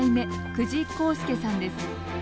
久慈浩介さんです。